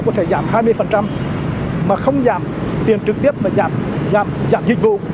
có thể giảm hai mươi mà không giảm tiền trực tiếp mà giảm dịch vụ